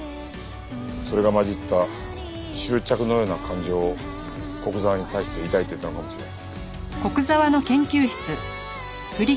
それが混じった執着のような感情を古久沢に対して抱いていたのかもしれん。